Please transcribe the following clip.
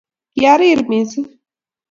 Kiarire missing.